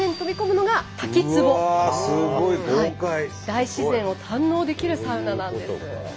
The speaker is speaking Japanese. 大自然を堪能できるサウナなんです。